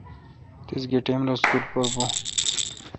تیس گہ ٹیم رل اسکول پر بون؟